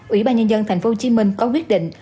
ủy ban nhân dân tp hcm có quyết định